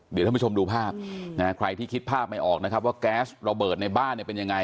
เดี๋ยวท่านผู้ชมดูภาพนะฮะใครที่คิดภาพไม่ออกนะครับว่าแก๊สระเบิดในบ้านเนี่ยเป็นยังไง